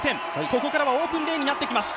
ここからはオープンレーンになっていきます。